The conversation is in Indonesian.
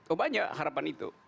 oh banyak harapan itu